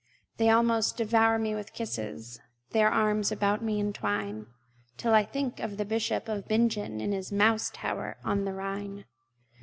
They almost devour me with kisses, Their arms about me entwine, Till I think of the Bishop of Bingen In his Mouse Tower on the Rhine!